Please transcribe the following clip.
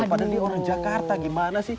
padahal dia orang jakarta gimana sih